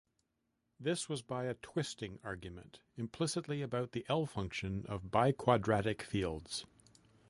This was by a 'twisting' argument, implicitly about the L-function of biquadratic fields.